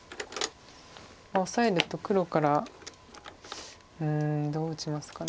オサえると黒からうんどう打ちますか。